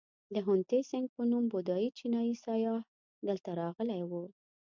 د هیونتسینګ په نوم بودایي چینایي سیاح دلته راغلی و.